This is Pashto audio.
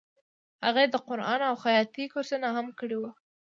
هغې د قرآن او خیاطۍ کورسونه هم کړي وو